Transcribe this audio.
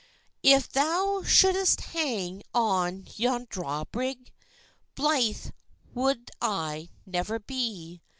"If thou shou'dst hang on yon draw brig, Blythe wou'd I never be."